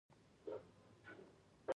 او د واکدارۍ اعتبار یې هم زیانمن شو.